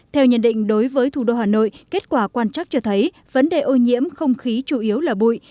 theo nhận định đối với thủ đô hà nội kết quả quan trắc cho thấy vấn đề ô nhiễm không khí chủ yếu là bụi